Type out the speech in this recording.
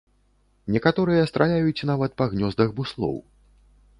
Некаторыя страляюць нават па гнёздах буслоў.